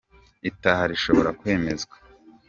itaha rishobora kwemezwa